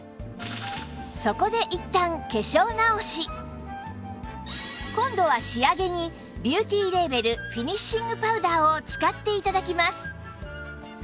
そこでいったん今度は仕上げにビューティーレーベルフィニッシングパウダーを使って頂きます